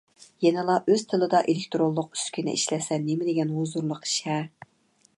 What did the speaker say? يەنىلا ئۆز تىلىدا ئېلېكتىرونلۇق ئۈسكۈنە ئىشلەتسە نېمىدېگەن ھۇزۇرلۇق ئىش-ھە.